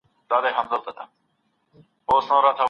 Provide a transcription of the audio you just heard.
څه شی د یوازیتوب ستونزه حل کوي؟